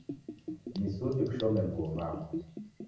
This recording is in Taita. Ni suti kushome vuo vako.